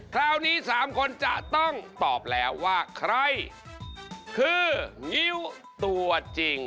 คราวนี้๓คนจะต้องตอบแล้วว่าใครคืองิ้วตัวจริง